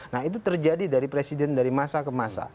nah itu terjadi dari presiden dari masa ke masa